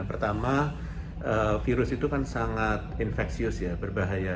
pertama virus itu kan sangat infeksius ya berbahaya